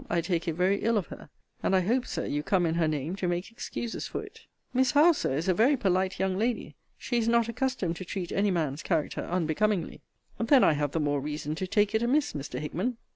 I take it very ill of her. And I hope, Sir, you come in her name to make excuses for it. Miss Howe, Sir, is a very polite young lady. She is not accustomed to treat any man's character unbecomingly. Then I have the more reason to take it amiss, Mr. Hickman.